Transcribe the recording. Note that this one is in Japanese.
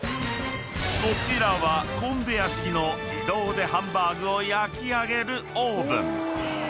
［こちらはコンベヤー式の自動でハンバーグを焼き上げるオーブン］